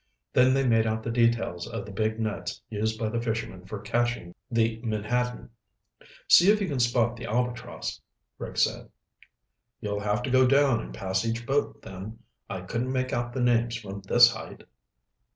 Then they made out the details of the big nets used by the fishermen for catching the menhaden. "See if you can spot the Albatross," Rick said. "You'll have to go down and pass each boat, then. I couldn't make out the names from this height."